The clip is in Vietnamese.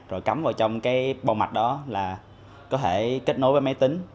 rồi cắm vào trong cái bồ mạch đó là có thể kết nối với máy tính